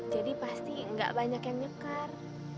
jadi pasti gak banyak yang nyukar